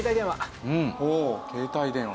携帯電話。